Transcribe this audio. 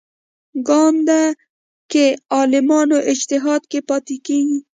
ګانده کې عالمانو اجتهاد کې پاتې کېږي.